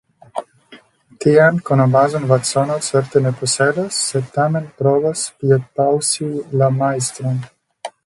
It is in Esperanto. Tian konobazon Vatsono certe ne posedas, sed tamen provas piedpaŭsi la Majstron.